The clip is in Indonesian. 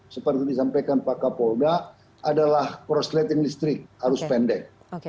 seperti disampaikan pak kapolda adalah prosleting listrik arus pendek